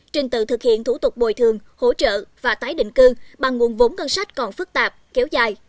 trình tự thực hiện thủ tục bồi thường hỗ trợ và tái định cư bằng nguồn vốn ngân sách còn phức tạp kéo dài